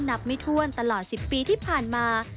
ไม่ถ้วนตลอด๑๐ปีที่ผ่านมา